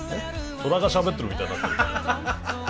虎がしゃべってるみたいになってるけど。